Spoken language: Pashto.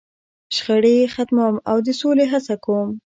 .شخړې یې ختموم، او د سولې هڅه کوم.